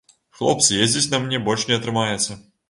Хлопцы, ездзіць на мне больш не атрымаецца!